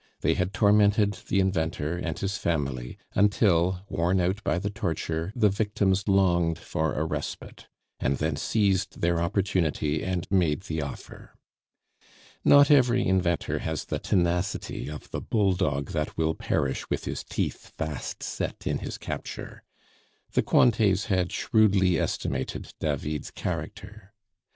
They had tormented the inventor and his family, until, worn out by the torture, the victims longed for a respite, and then seized their opportunity and made the offer. Not every inventor has the tenacity of the bull dog that will perish with his teeth fast set in his capture; the Cointets had shrewdly estimated David's character.